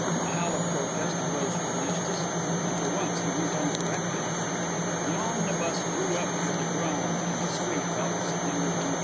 a howl of protest arose from Eustace, and for once he went uncorrected. The omnibus drew up with a groan and a squeak opposite to No. 131.